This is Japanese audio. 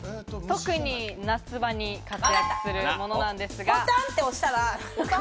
特に夏場に活躍するものなんですが。